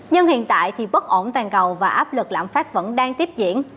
nhưng hiện tại thì bất ổn toàn cầu và áp lực lạm phát vẫn đang tiếp diễn